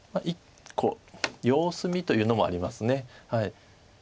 １個様子見というのもあります。